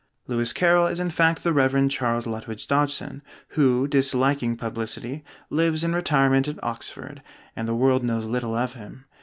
Lewis Carroll is in fact the Rev. Charles Lutwidge Dodgson, who (disliking publicity) lives in retirement at Oxford, and the world knows little of him.